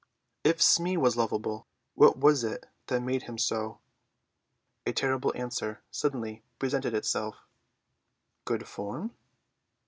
If Smee was lovable, what was it that made him so? A terrible answer suddenly presented itself—"Good form?"